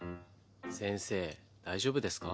先生大丈夫ですか？